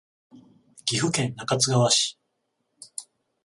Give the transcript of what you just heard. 岐阜県中津川市